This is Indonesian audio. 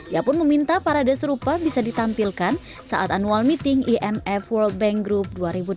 ia pun meminta parade serupa bisa ditampilkan saat annual meeting imf world bank group dua ribu delapan belas